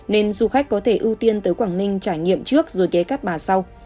nên du khách có thể ưu tiên tới quảng ninh trải nghiệm trước rồi ghé cát bà sau